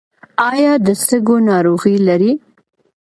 ایا د سږو ناروغي لرئ؟